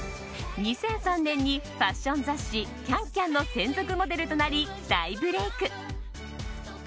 ２００３年にファッション雑誌「ＣａｎＣａｍ」の専属モデルとなり大ブレーク。